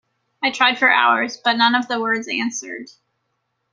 I tried for hours, but none of the words answered.